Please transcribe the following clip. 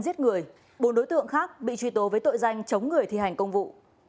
giết người bốn đối tượng khác bị truy tố với tội danh chống người thi hành công vụ